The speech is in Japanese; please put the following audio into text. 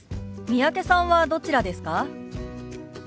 三宅さんはどちらですか？